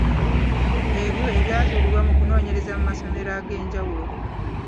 Ebyo ebyazuulibwa mu kunoonyereza mu masomero ag’enjawulo.